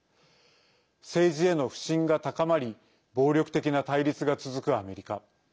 政治への不信が高まり暴力的な対立が続くアメリカ。